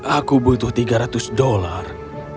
aku butuh tiga ratus dolar